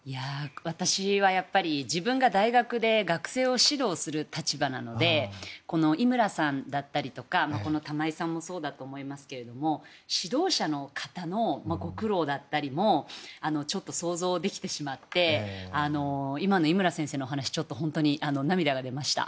私は自分が大学で学生を指導する立場なのでこの井村さんだったりとか玉井さんもそうだと思いますが指導者の方のご苦労だったりもちょっと想像できてしまって今の井村先生のお話本当に涙が出ました。